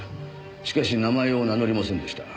しかし名前を名乗りませんでした。